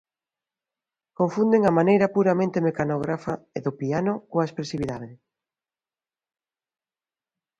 Confunden a maneira puramente mecanógrafa do piano coa expresividade.